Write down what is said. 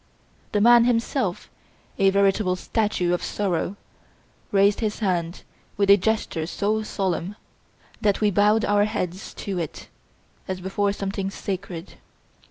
The man himself, a veritable statue of sorrow, raised his hand with a gesture so solemn that we bowed our heads to it as before something sacred.